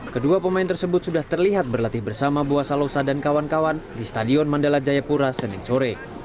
kedua pemain tersebut sudah terlihat berlatih bersama bua salosa dan kawan kawan di stadion mandala jayapura senin sore